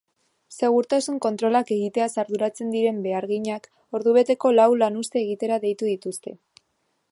Segurtasun kontrolak egiteaz arduratzen diren beharginak ordubeteko lau lanuzte egitera deitu dituzte.